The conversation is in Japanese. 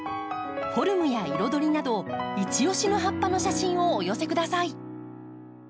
フォルムや彩りなどいち押しの葉っぱの写真をお寄せください。